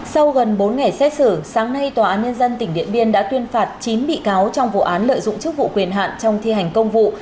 sau gần bốn ngày xét xử sáng nay tòa án nhân dân tỉnh điện biên đã tuyên phạt chín bị cáo trong vụ án lợi dụng chức vụ quyền hạn trong thi hành công vụ